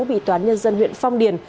bị toán nhân dân huyện phong điền